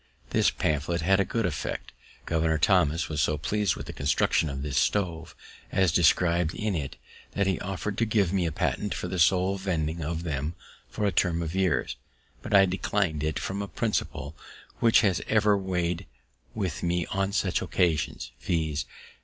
This pamphlet had a good effect. Gov'r. Thomas was so pleas'd with the construction of this stove, as described in it, that he offered to give me a patent for the sole vending of them for a term of years; but I declin'd it from a principle which has ever weighed with me on such occasions, viz.